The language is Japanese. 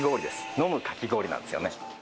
飲むかき氷なんですよね。